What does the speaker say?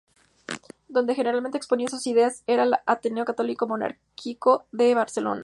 Donde generalmente exponía sus ideas era al Ateneo católico-monárquico de Barcelona.